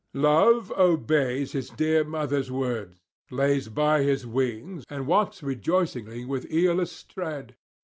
Love obeys his dear mother's words, lays by his wings, and walks rejoicingly with Iülus' tread.